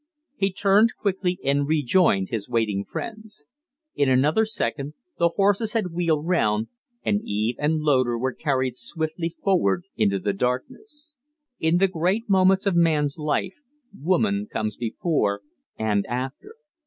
He turned quickly and rejoined his waiting friends. In another second the horses had wheeled round, and Eve and Loder were carried swiftly forward into the darkness. In the great moments of man's life woman comes before and after.